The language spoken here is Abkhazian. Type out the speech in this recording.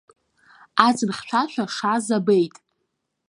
Аӡын хьшәашәа шааз абеит.